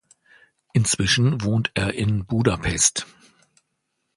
Inzwischen wohnt er in Budapest.